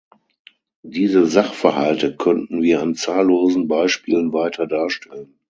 Diese Sachverhalte könnten wir an zahllosen Beispielen weiter darstellen.